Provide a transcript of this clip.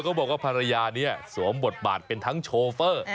บอกว่าภรรยานี้สวมบทบาทเป็นทั้งโชเฟอร์